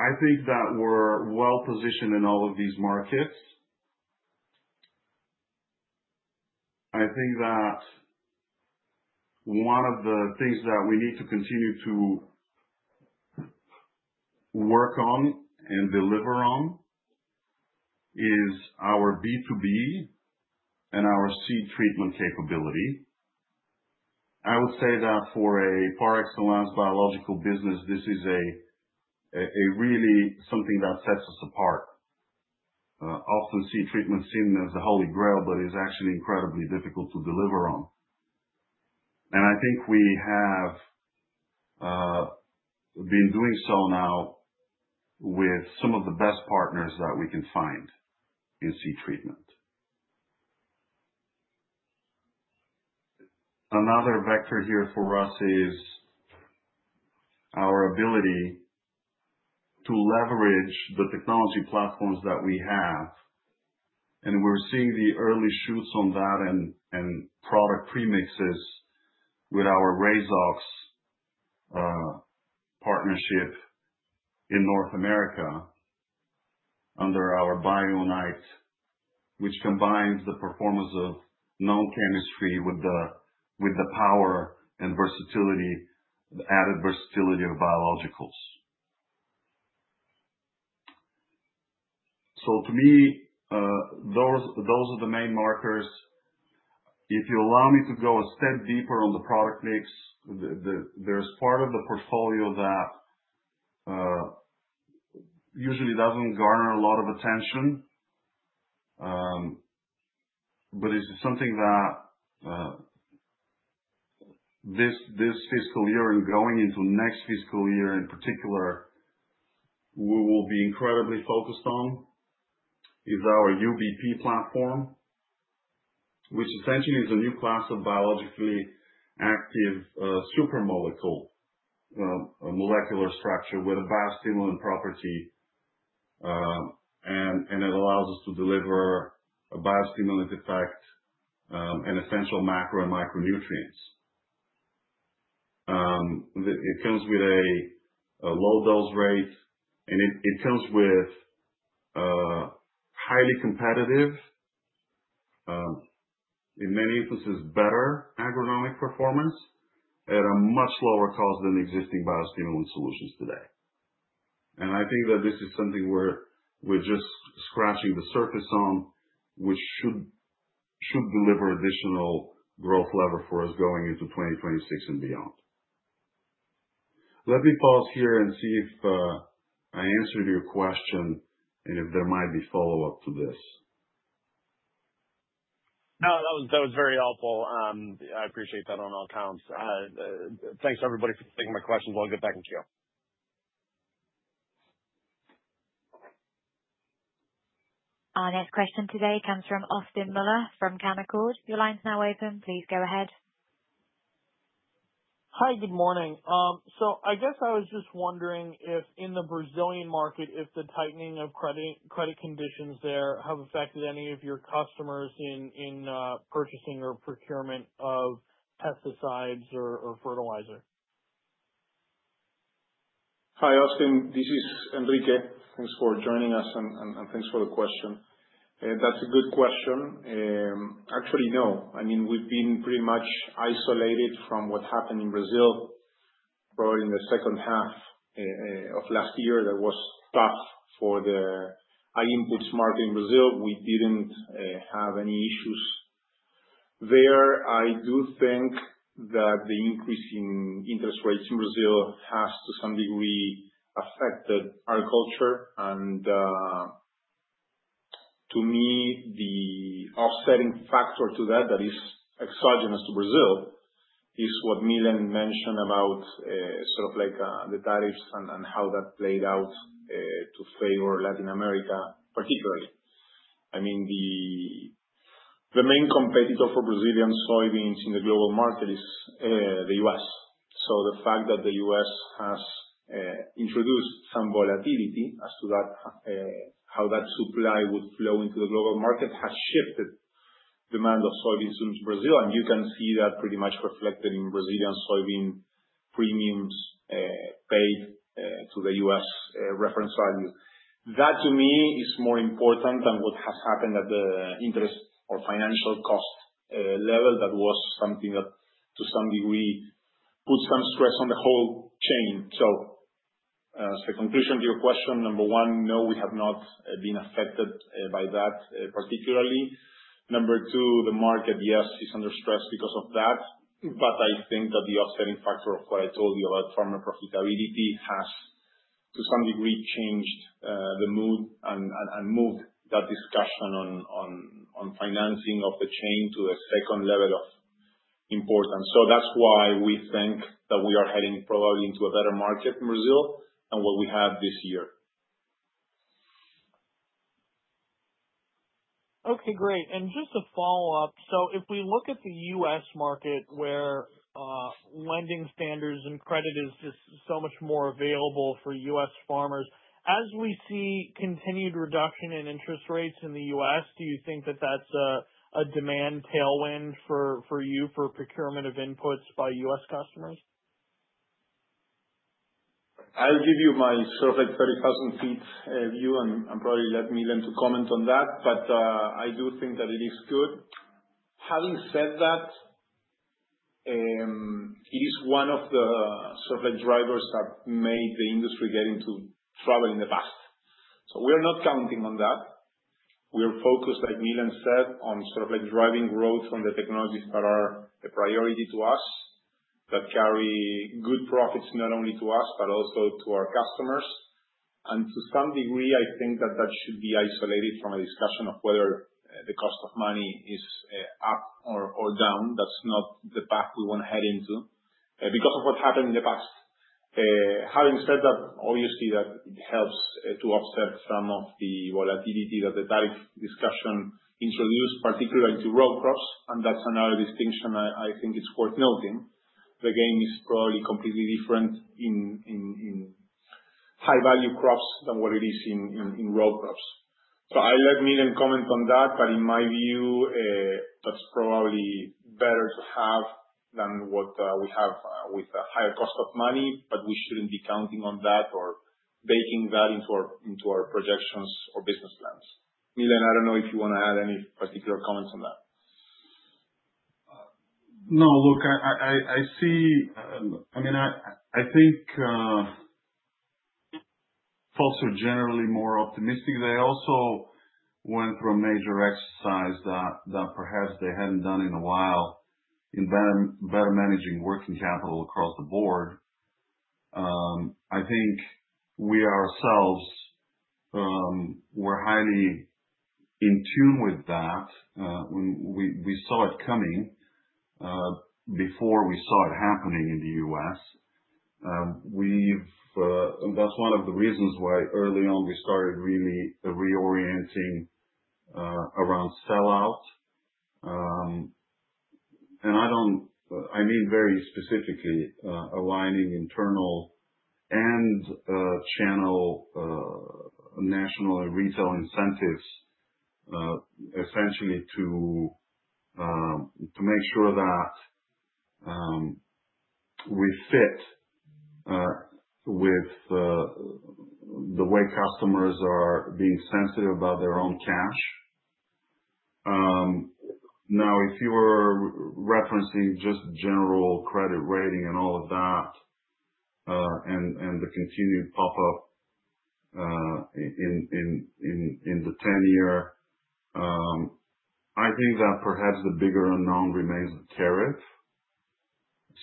Speaker 5: I think that we are well-positioned in all of these markets. I think that one of the things that we need to continue to work on and deliver on is our B2B and our seed treatment capability. I would say that for a par excellence biological business, this is really something that sets us apart. Often seed treatment is seen as the Holy Grail, but it's actually incredibly difficult to deliver on. I think we have been doing so now with some of the best partners that we can find in seed treatment. Another vector here for us is our ability to leverage the technology platforms that we have. We're seeing the early shoots on that and product premixes with our Razox partnership in North America under our BioNITe, which combines the performance of known chemistry with the power and added versatility of biologicals. To me, those are the main markers. If you allow me to go a step deeper on the product mix, there's part of the portfolio that usually doesn't garner a lot of attention, but it's something that this fiscal year and going into next fiscal year in particular, we will be incredibly focused on, is our UBP platform, which essentially is a new class of biologically active supermolecule, a molecular structure with a biostimulant property. It allows us to deliver a biostimulant effect and essential macro and micronutrients. It comes with a low dose rate, and it comes with highly competitive, in many instances better agronomic performance at a much lower cost than existing biostimulant solutions today. I think that this is something we're just scratching the surface on, which should deliver additional growth lever for us going into 2026 and beyond. Let me pause here and see if I answered your question and if there might be follow-up to this.
Speaker 7: No, that was very helpful. I appreciate that on all counts. Thanks, everybody, for taking my questions. I'll get back to you.
Speaker 1: Our next question today comes from Austin Moeller from Canaccord. Your line's now open. Please go ahead.
Speaker 8: Hi, good morning. I guess I was just wondering if in the Brazilian market, if the tightening of credit conditions there have affected any of your customers in purchasing or procurement of pesticides or fertilizer?
Speaker 4: Hi, Austin. This is Enrique. Thanks for joining us, and thanks for the question. That's a good question. Actually, no. I mean, we've been pretty much isolated from what happened in Brazil, probably in the second half of last year. That was tough for the ag inputs market in Brazil. We didn't have any issues there. I do think that the increase in interest rates in Brazil has, to some degree, affected our culture. To me, the offsetting factor to that that is exogenous to Brazil is what Milen mentioned about sort of the tariffs and how that played out to favor Latin America, particularly. I mean, the main competitor for Brazilian soybeans in the global market is the U.S. The fact that the U.S. has introduced some volatility as to how that supply would flow into the global market has shifted demand of soybeans into Brazil. You can see that pretty much reflected in Brazilian soybean premiums paid to the U.S. reference value. That, to me, is more important than what has happened at the interest or financial cost level. That was something that, to some degree, put some stress on the whole chain. As a conclusion to your question, number one, no, we have not been affected by that particularly. Number two, the market, yes, is under stress because of that. I think that the offsetting factor of what I told you about farmer profitability has, to some degree, changed the mood and moved that discussion on financing of the chain to the second level of importance. That is why we think that we are heading probably into a better market in Brazil than what we had this year.
Speaker 8: Okay, great. Just to follow up, if we look at the U.S. market, where lending standards and credit is just so much more available for U.S. farmers, as we see continued reduction in interest rates in the U.S., do you think that that's a demand tailwind for you for procurement of inputs by U.S. customers?
Speaker 4: I'll give you my circling 30,000 feet view, and probably let Milen comment on that. I do think that it is good. Having said that, it is one of the circulating drivers that made the industry get into trouble in the past. We are not counting on that. We are focused, like Milen said, on sort of driving growth on the technologies that are a priority to us, that carry good profits not only to us, but also to our customers. To some degree, I think that that should be isolated from a discussion of whether the cost of money is up or down. That is not the path we want to head into because of what happened in the past. Having said that, obviously, that helps to offset some of the volatility that the tariff discussion introduced, particularly into row crops. That is another distinction I think is worth noting. The game is probably completely different in high-value crops than what it is in row crops. I will let Milen comment on that. In my view, that is probably better to have than what we have with a higher cost of money, but we should not be counting on that or baking that into our projections or business plans. Milen, I do not know if you want to add any particular comments on that.
Speaker 5: No, look, I see, I mean, I think folks are generally more optimistic. They also went through a major exercise that perhaps they hadn't done in a while in better managing working capital across the board. I think we ourselves were highly in tune with that. We saw it coming before we saw it happening in the U.S. That is one of the reasons why early on we started really reorienting around sellout. I mean very specifically aligning internal and channel, national and retail incentives essentially to make sure that we fit with the way customers are being sensitive about their own cash. Now, if you were referencing just general credit rating and all of that and the continued pop-up in the 10-year, I think that perhaps the bigger unknown remains the tariff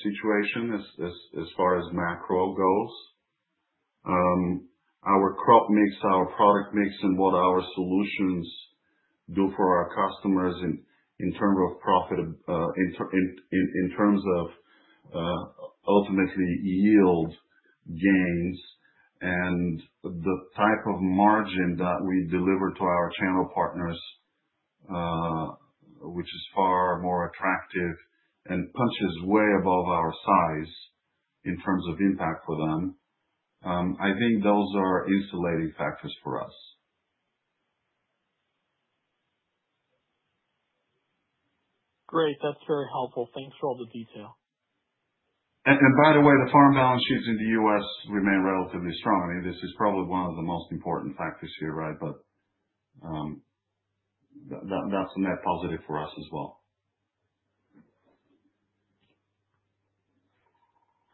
Speaker 5: situation as far as macro goes. Our crop mix, our product mix, and what our solutions do for our customers in terms of profit, in terms of ultimately yield gains, and the type of margin that we deliver to our channel partners, which is far more attractive and punches way above our size in terms of impact for them, I think those are insulating factors for us.
Speaker 8: Great. That's very helpful. Thanks for all the detail.
Speaker 5: By the way, the farm balance sheets in the U.S. remain relatively strong. I mean, this is probably one of the most important factors here, right? That is a net positive for us as well.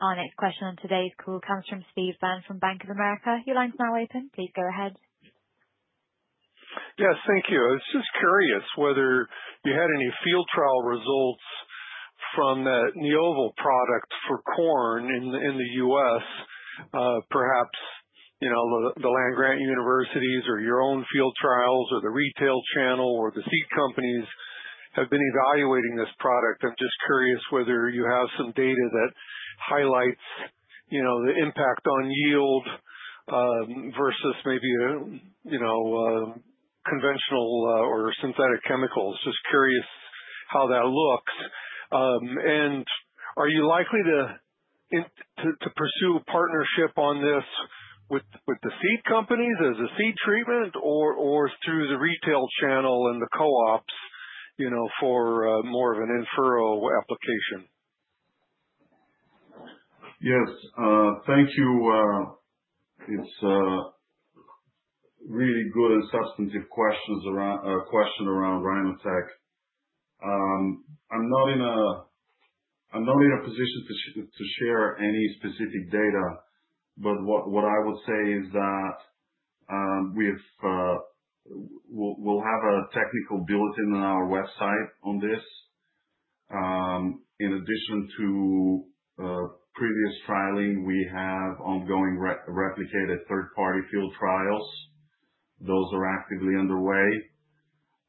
Speaker 3: Our next question on today's call comes from Steve Byrne from Bank of America. Your line's now open. Please go ahead.
Speaker 9: Yes, thank you. I was just curious whether you had any field trial results from that Neova product for corn in the U.S. Perhaps the land-grant universities or your own field trials or the retail channel or the seed companies have been evaluating this product. I'm just curious whether you have some data that highlights the impact on yield versus maybe conventional or synthetic chemicals. Just curious how that looks. Are you likely to pursue a partnership on this with the seed companies as a seed treatment or through the retail channel and the co-ops for more of an inferro application?
Speaker 5: Yes, thank you. It's really good and substantive questions around RinoTec. I'm not in a position to share any specific data, but what I would say is that we'll have a technical bulletin on our website on this. In addition to previous trialing, we have ongoing replicated third-party field trials. Those are actively underway.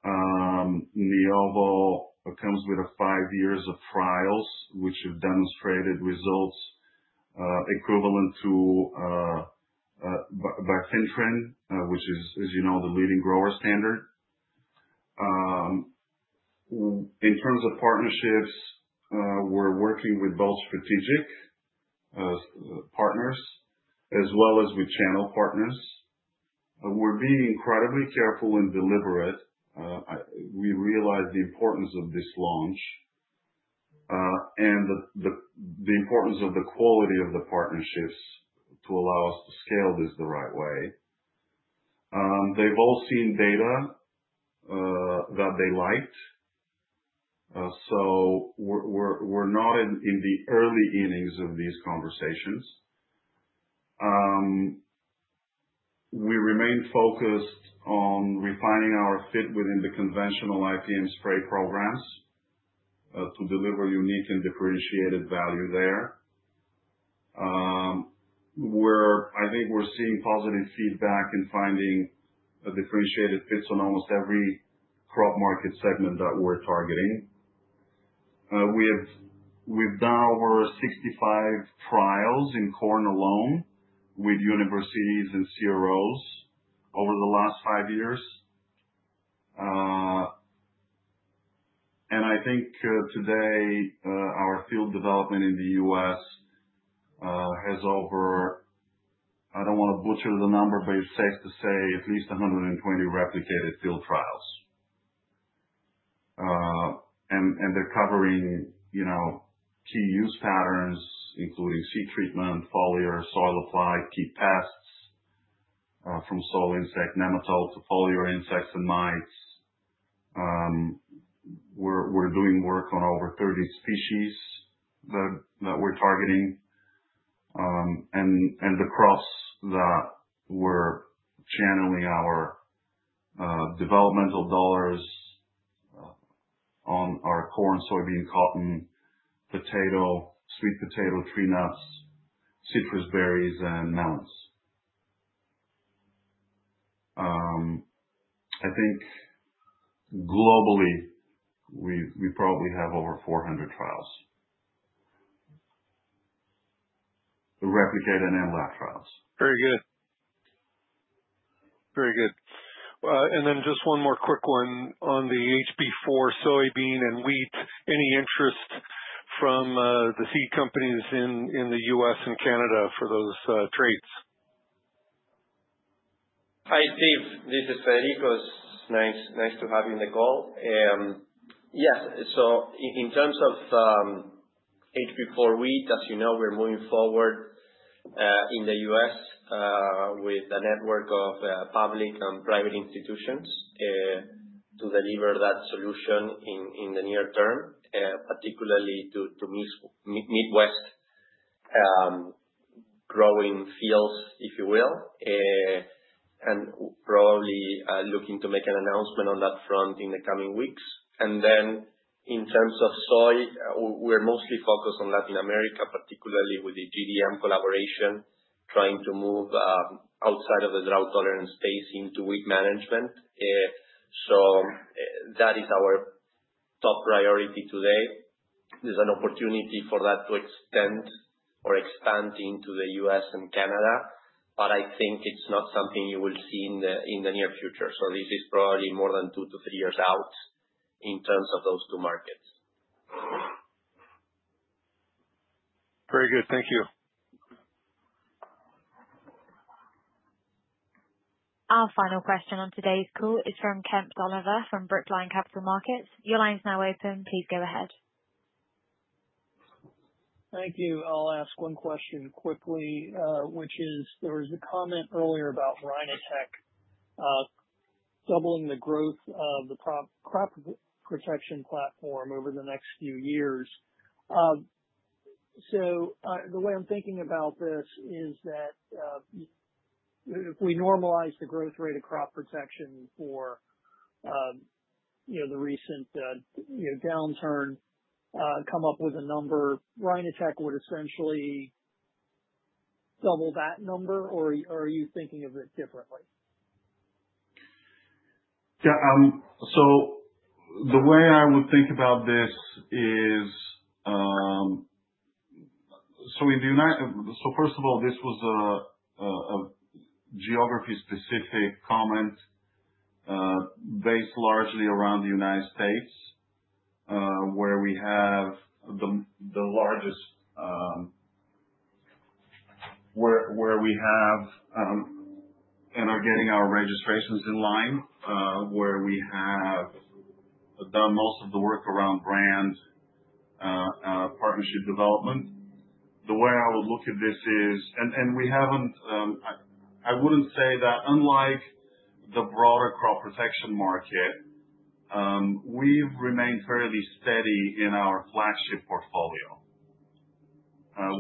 Speaker 5: Neovo comes with five years of trials, which have demonstrated results equivalent to by FinTrin, which is, as you know, the leading grower standard. In terms of partnerships, we're working with both strategic partners as well as with channel partners. We're being incredibly careful and deliberate. We realize the importance of this launch and the importance of the quality of the partnerships to allow us to scale this the right way. They've all seen data that they liked. We're not in the early innings of these conversations. We remain focused on refining our fit within the conventional IPM spray programs to deliver unique and differentiated value there. I think we're seeing positive feedback and finding differentiated fits on almost every crop market segment that we're targeting. We've done over 65 trials in corn alone with universities and CROs over the last five years. I think today our field development in the U.S. has over, I don't want to butcher the number, but it's safe to say at least 120 replicated field trials. They're covering key use patterns, including seed treatment, foliar, soil applied, key pests from soil insect nematode to foliar insects and mites. We're doing work on over 30 species that we're targeting. The crops that we're channeling our developmental dollars on are corn, soybean, cotton, potato, sweet potato, tree nuts, citrus, berries, and melons. I think globally, we probably have over 400 trials, replicated and lab trials.
Speaker 9: Very good. Very good. And then just one more quick one on the HB4 soybean and wheat. Any interest from the seed companies in the U.S. and Canada for those traits?
Speaker 3: Hi, Steve. This is Federico. It's nice to have you on the call. Yes. In terms of HB4 wheat, as you know, we're moving forward in the U.S. with a network of public and private institutions to deliver that solution in the near term, particularly to Midwest growing fields, if you will, and probably looking to make an announcement on that front in the coming weeks. In terms of soy, we're mostly focused on Latin America, particularly with the GDM collaboration, trying to move outside of the drought-tolerant space into wheat management. That is our top priority today. There's an opportunity for that to extend or expand into the U.S. and Canada, but I think it's not something you will see in the near future. This is probably more than two to three years out in terms of those two markets.
Speaker 9: Very good. Thank you.
Speaker 3: Our final question on today's call is from Kemp Dolliver from Brookline Capital Markets. Your line's now open. Please go ahead.
Speaker 10: Thank you. I'll ask one question quickly, which is there was a comment earlier about RinoTec. doubling the growth of the crop protection platform over the next few years. The way I'm thinking about this is that if we normalize the growth rate of crop protection for the recent downturn, come up with a number, RhinoTech would essentially double that number, or are you thinking of it differently?
Speaker 5: The way I would think about this is, first of all, this was a geography-specific comment based largely around the U.S., where we have the largest, where we have and are getting our registrations in line, where we have done most of the work around brand partnership development. The way I would look at this is, and I would not say that unlike the broader crop protection market, we have remained fairly steady in our flagship portfolio.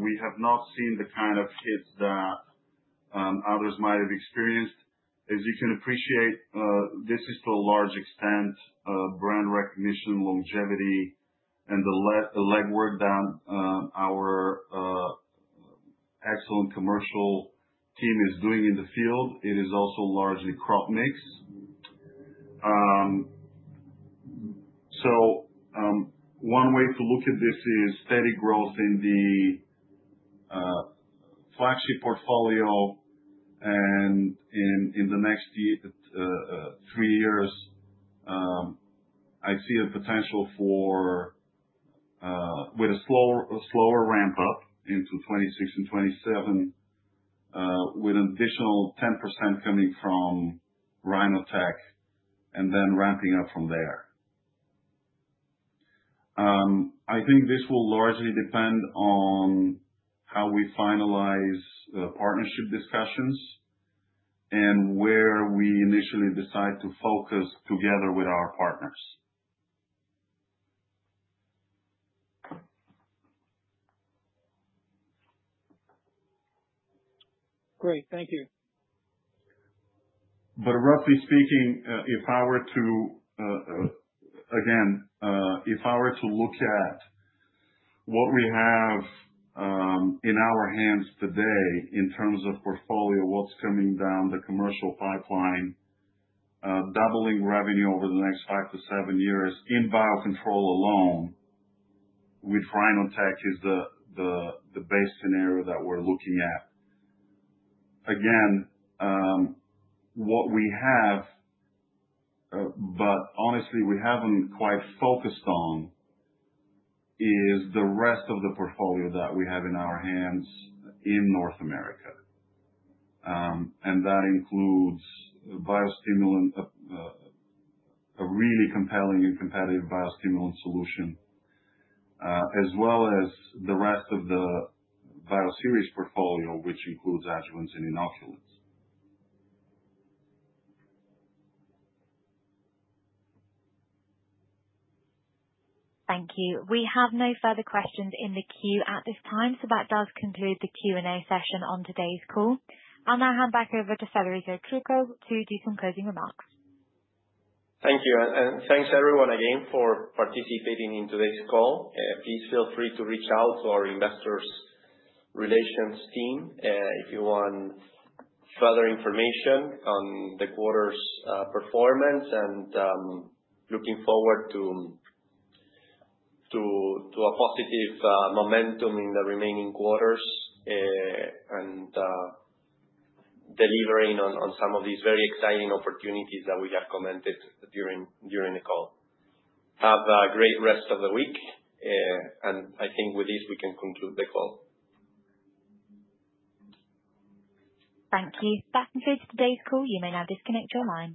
Speaker 5: We have not seen the kind of hits that others might have experienced. As you can appreciate, this is to a large extent brand recognition, longevity, and the legwork that our excellent commercial team is doing in the field. It is also largely crop mix. One way to look at this is steady growth in the flagship portfolio. In the next three years, I see a potential with a slower ramp-up into 2026 and 2027, with an additional 10% coming from RinoTec and then ramping up from there. I think this will largely depend on how we finalize partnership discussions and where we initially decide to focus together with our partners.
Speaker 8: Great. Thank you.
Speaker 5: Roughly speaking, if I were to, again, if I were to look at what we have in our hands today in terms of portfolio, what's coming down the commercial pipeline, doubling revenue over the next five to seven years in biocontrol alone, with RinoTec, is the base scenario that we're looking at. Again, what we have, but honestly, we haven't quite focused on, is the rest of the portfolio that we have in our hands in North America. That includes a really compelling and competitive biostimulant solution, as well as the rest of the Bioceres portfolio, which includes adjuvants and inoculants.
Speaker 1: Thank you. We have no further questions in the queue at this time. That does conclude the Q&A session on today's call. I'll now hand back over to Federico Trucco to do some closing remarks.
Speaker 3: Thank you. Thanks, everyone, again for participating in today's call. Please feel free to reach out to our investor relations team if you want further information on the quarter's performance. Looking forward to a positive momentum in the remaining quarters and delivering on some of these very exciting opportunities that we have commented during the call. Have a great rest of the week. I think with this, we can conclude the call.
Speaker 1: Thank you. That concludes today's call. You may now disconnect your line.